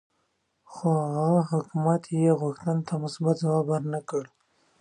خو هغه حکومت یې غوښتنو ته مثبت ځواب ورنه کړ.